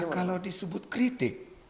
kalau disebut kritik